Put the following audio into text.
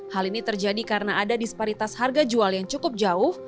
hal ini terjadi karena ada disparitas harga jual yang cukup jauh